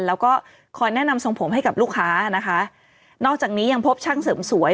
แล้วก็คอยแนะนำทรงผมให้กับลูกค้านะคะนอกจากนี้ยังพบช่างเสริมสวย